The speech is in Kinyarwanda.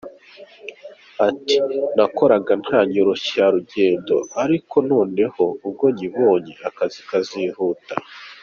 Ati: “Nakoraga nta nyoroshyangendo, ariko noneho ubwo nyibonye akazi kazihuta”.